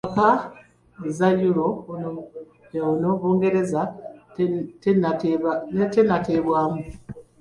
Mu mpaka za Euro ono Bungereza tennateebwamu.